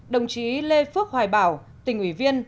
đồng chí lê phước hoài bảo tỉnh ủy viên